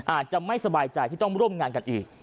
อาจจะไม่สบายใจที่ต้องร่วมงานกันอีก